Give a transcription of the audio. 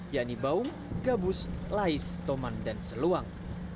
yakni baung gabus lais toman dan seluang